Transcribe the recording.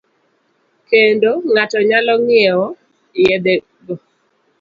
Kendo. ng'ato nyalo ng'iewo yedhego